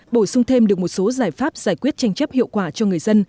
bổ sung thêm được một số giải pháp giải quyết tranh chấp hiệu quả cho người dân